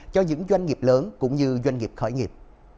cho những doanh nghiệp lớn cũng như doanh nghiệp khởi nghiệp